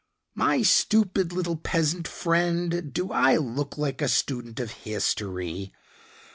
"My stupid, little peasant friend, do I look like a student of history?"